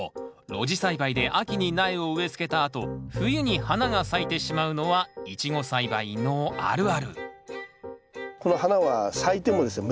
露地栽培で秋に苗を植えつけたあと冬に花が咲いてしまうのはイチゴ栽培のあるあるこの花は咲いてもですね